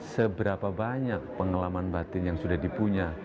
seberapa banyak pengalaman batin yang sudah dipunya